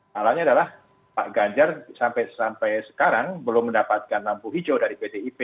halnya adalah pak ganjar sampai sekarang belum mendapatkan lampu hijau dari pt ip